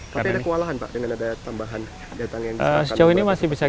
tapi ada kewalahan pak dengan ada tambahan datang yang diserahkan ini